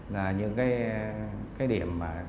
là những cái điểm